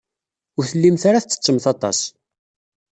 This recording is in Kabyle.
Ur tellimt ara tettettemt aṭas.